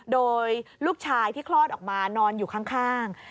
โดยลูกชายที่คลอดออกมานอนอยู่ข้าง